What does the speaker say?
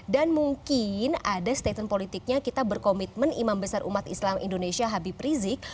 dan mungkin ada statement politiknya kita berkomitmen imam besar umat islam indonesia habib rizik